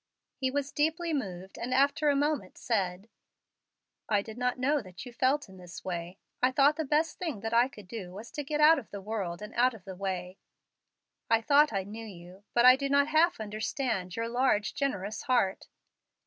He was deeply moved, and after a moment said, "I did not know that you felt in this way. I thought the best thing that I could do was to get out of the world and out of the way. I thought I knew you, but I do not half understand your large, generous heart.